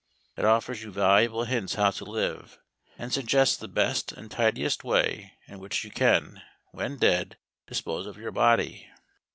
It offers you valuable hints how to live, and suggests the best and tidiest way in which you can, when dead, dispose of your body.